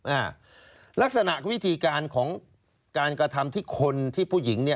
ลักษณะวิธีการของการกระทำที่คนที่ผู้หญิงเนี่ย